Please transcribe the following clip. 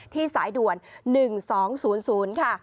สายด่วน๑๒๐๐ค่ะ